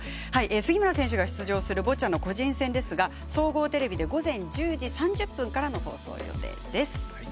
杉村選手が出場するボッチャの個人戦、総合テレビで午前１０時３０からです。